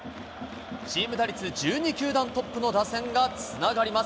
チーム打率１２球団トップの打線がつながります。